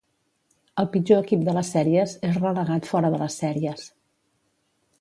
El pitjor equip de les sèries és relegat fora de les sèries.